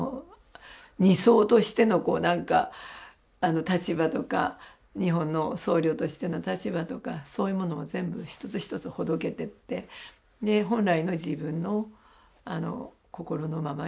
尼僧としてのこう何か立場とか日本の僧侶としての立場とかそういうものを全部一つ一つほどけてってで本来の自分の心のままに動けるようになってきましたね。